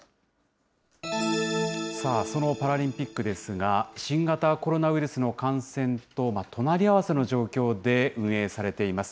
さあ、そのパラリンピックですが、新型コロナウイルスの感染と隣り合わせの状況で運営されています。